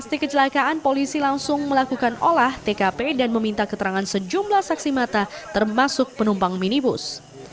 setelah kecelakaan polisi langsung melakukan olah tkp dan meminta keterangan sejumlah saksi mata termasuk penumpang minibus